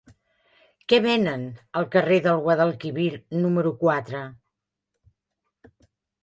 Què venen al carrer del Guadalquivir número quatre?